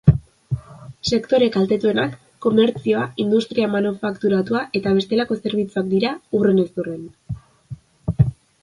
Sektore kaltetuenak komertzioa, industria manufakturatua eta bestelako zerbitzuak dira, hurrenez hurren.